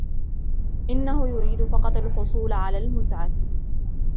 إنه يريد فقط الحصول على المتعة.